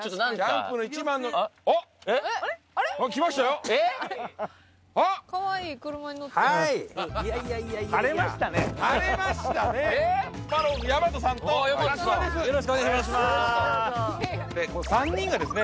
この３人がですね